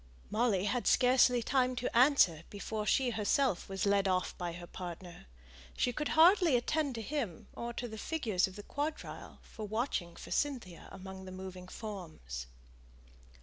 Molly had scarcely time to answer before she herself was led off by her partner. She could hardly attend to him or to the figures of the quadrille for watching for Cynthia among the moving forms.